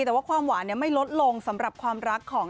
แต่ว่าความหวานไม่ลดลงสำหรับความรักของ